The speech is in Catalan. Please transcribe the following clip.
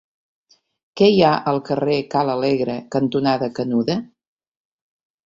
Què hi ha al carrer Ca l'Alegre cantonada Canuda?